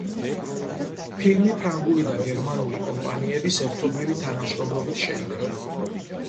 ფილმი ფრანგული და გერმანული კომპანიების ერთობლივი თანამშრომლობით შეიქმნა.